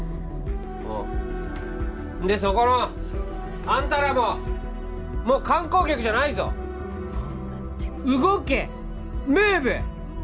おうでそこのあんたらももう観光客じゃないぞ動けムーブ！